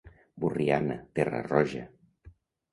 Borriana, terra roja.